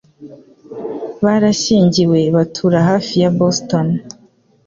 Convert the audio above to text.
Barashyingiwe batura hafi ya Boston